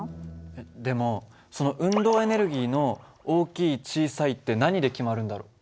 えっでもその運動エネルギーの大きい小さいって何で決まるんだろう？